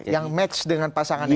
yang max dengan pasangan ini